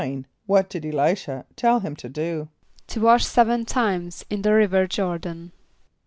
= What did [+E] l[=i]´sh[.a] tell him to do? =To wash seven times in the river Jôr´dan.